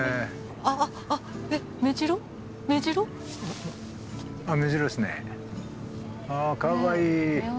あかわいい。